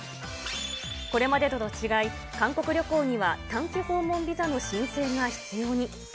これまでとは違い、韓国旅行には短期訪問ビザの申請が必要に。